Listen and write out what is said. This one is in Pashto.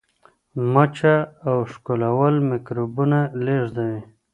مچه او ښکلول میکروبونه لیږدوي.